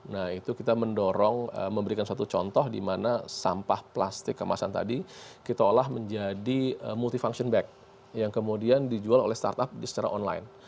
nah itu kita mendorong memberikan suatu contoh di mana sampah plastik kemasan tadi kita olah menjadi multifunction back yang kemudian dijual oleh startup secara online